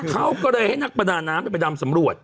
เขาก็เลยให้นักประดาน้ำไปดำสำรวจ